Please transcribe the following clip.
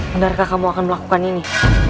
benarkah kamu akan melakukan ini